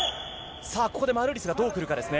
さあ、ここでマルーリスがどうくるかですね。